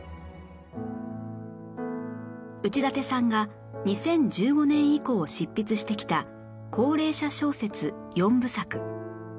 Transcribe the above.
内館さんが２０１５年以降執筆してきた高齢者小説４部作